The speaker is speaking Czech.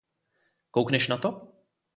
Koukneš na to?